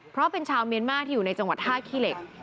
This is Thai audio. เพราะเป็นชาวเมียนมาที่อยู่ในจังหวัดท่าขี้เหล็ก